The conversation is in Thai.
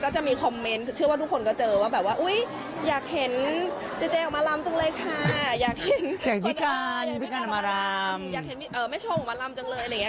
ก็จะมีคอมเมนต์เชื่อว่าทุกคนก็เจอว่าแบบว่าอุ๊ยอยากเห็นเจ๊ออกมารำจังเลยค่ะ